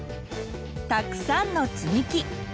たくさんのつみき。